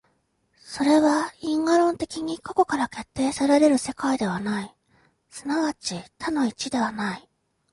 それは因果論的に過去から決定せられる世界ではない、即ち多の一ではない。